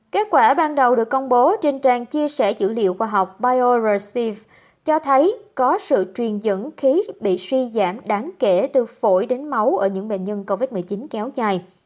kết quả ban đầu được công bố trên trang chia sẻ dữ liệu khoa học biorec cho thấy có sự truyền dẫn khí bị suy giảm đáng kể từ phổi đến máu ở những bệnh nhân covid một mươi chín kéo dài